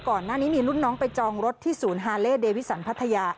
ก่อนหน้านี้มีรุ่นน้องไปจองรถที่ศูนย์ฮาเล่เดวิสันพัทยา